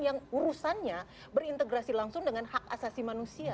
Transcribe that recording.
yang urusannya berintegrasi langsung dengan hak asasi manusia